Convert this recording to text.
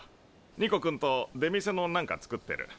ニコ君と出店の何か作ってる。